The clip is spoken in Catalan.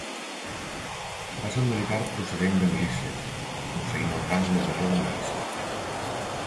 Va ser un militar procedent de milícies, aconseguint el rang de major de milícies.